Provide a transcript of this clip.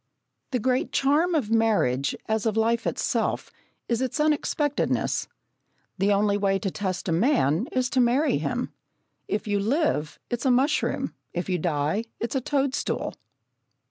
The great charm of marriage, as of life itself, is its unexpectedness. The only way to test a man is to marry him. If you live, it's a mushroom; if you die, it's a toadstool!